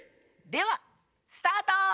ではスタート！